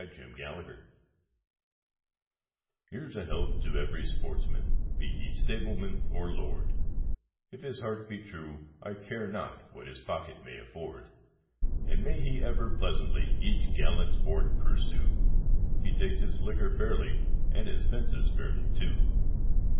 A Hunting Song Here's a health to every sportsman, be he stableman or lord, If his heart be true, I care not what his pocket may afford; And may he ever pleasantly each gallant sport pursue, If he takes his liquor fairly, and his fences fairly, too.